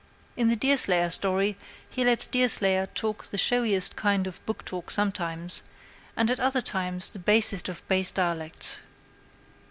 In the Deerslayer story he lets Deerslayer talk the showiest kind of book talk sometimes, and at other times the basest of base dialects.